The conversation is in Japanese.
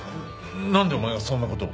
なんでお前がそんな事を？